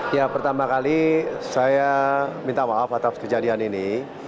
ya pertama kali saya minta maaf atas kejadian ini